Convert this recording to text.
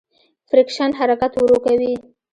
فریکشن حرکت ورو کوي.